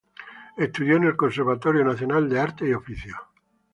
Estudió en el Conservatorio Nacional de Artes y Oficios.